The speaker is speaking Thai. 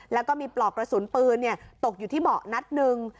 แล้วก็มีปลอกกระสุนปืนตกอยู่ที่เบาะนัดหนึ่ง